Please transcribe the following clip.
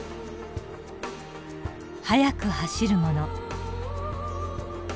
速く走るもの。